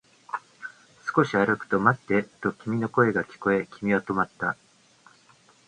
少し歩くと、待ってと君の声が聞こえ、君は止まった